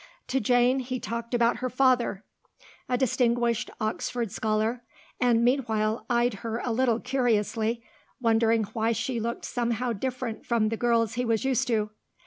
To Jane he talked about her father, a distinguished Oxford scholar, and meanwhile eyed her a little curiously, wondering why she looked somehow different from the girls he was used to.